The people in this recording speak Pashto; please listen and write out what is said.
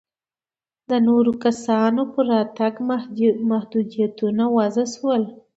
د نورو کسانو پر راتګ محدودیتونه وضع شول.